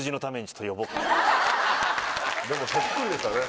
そっくりでしたね。